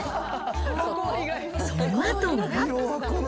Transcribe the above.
そのあとは。